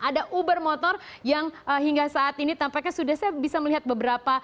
ada uber motor yang hingga saat ini tampaknya sudah saya bisa melihat beberapa